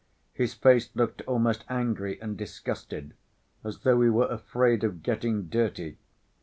His face looked almost angry and disgusted, as though he were afraid of getting dirty.